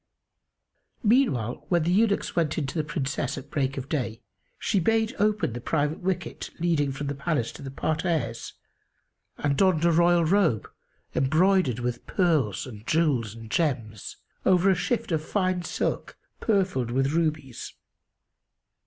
Meanwhile, when the eunuchs went in to the Princess at break of day, she bade open the private wicket leading from the palace to the parterres and donned a royal robe, embroidered with pearls and jewels and gems, over a shift of fine silk purfled with rubies.